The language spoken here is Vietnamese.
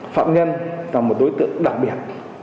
phạm nhân là một đối tượng đặc biệt